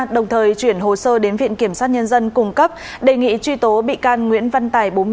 đồng thời chuyển hồ sơ đến viện kiểm sát nhân dân cung cấp đề nghị truy tố bị can nguyễn văn tài